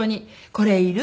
「これいる？」